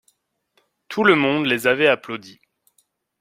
Tout le monde les avaient applaudis.